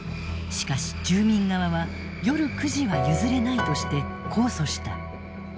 しかし住民側は夜９時は譲れないとして控訴した。